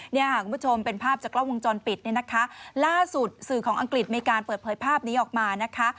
เนี่ยค่ะคุณผู้ชมเป็นภาพจากกล้องวงจรปิดเนี่ยนะคะล่าสุดสื่อของอังกฤษมีการเปิดเผยภาพนี้ออกมานะคะ